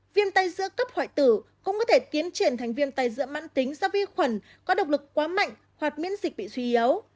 viên tay giữa cấp hoại tử cũng có thể tiến triển thành viên tay giữa mắt tính do vi khuẩn có độc lực quá mạnh hoặc miễn dịch bị suy yếu